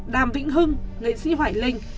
đàm vĩnh hưng nghệ sĩ hoài linh